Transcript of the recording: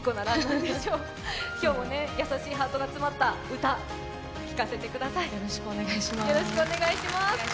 今日も優しいハートが詰まった歌、聴かせてください。